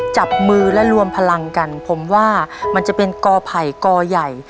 จับมือและรวมพลังกันผมว่ามันจะเป็นกอไผ่กอใหญ่